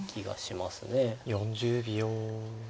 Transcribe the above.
４０秒。